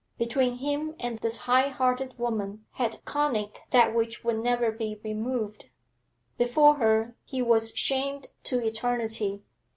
Between him and this high hearted woman had conic that which would never be removed; before her he was shamed to eternity.